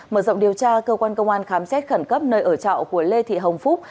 mở rộng điều tra cơ quan công an khám xét khẩn cấp nơi ở trọ của lê thị hồng phúc